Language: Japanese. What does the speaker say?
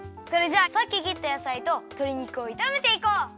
それじゃあさっき切った野菜ととり肉をいためていこう！